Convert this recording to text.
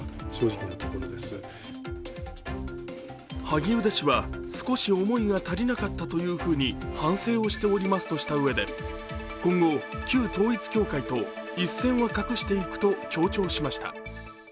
萩生田氏は、少し思いが足りなかったというふうに反省をしておりますとしたうえで、今後、旧統一教会と一線を画していくと強調しました。